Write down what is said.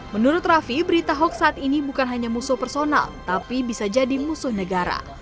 menurut raffi berita hoax saat ini bukan hanya musuh personal tapi bisa jadi musuh negara